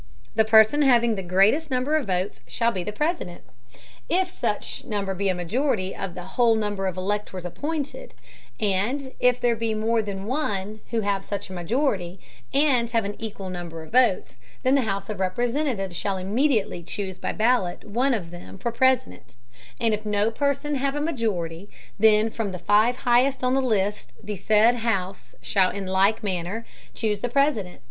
The Person having the greatest Number of Votes shall be the President, if such Number be a Majority of the whole Number of Electors appointed; and if there be more than one who have such Majority, and have an equal Number of Votes, then the House of Representatives shall immediately chuse by Ballot one of them for President; and if no Person have a Majority, then from the five highest on the List the said House shall in like Manner chuse the President.